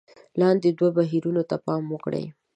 لاندې دوو بهیرونو ته پام وکړئ: